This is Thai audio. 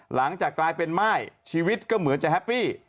หลังจากกลายเป็นม่ายชีวิตก็เหมือนจะแฮปปี้